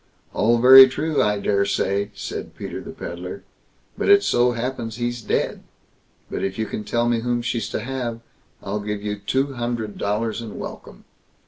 "All very true, I daresay", said Peter the Pedlar; "but it so happens he's dead; but if you can tell me whom she's to have, I'll give you two hundred dollars, and welcome."